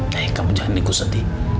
kayaknya kamu jangan ikut sedih